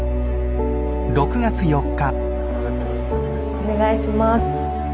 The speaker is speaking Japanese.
お願いします。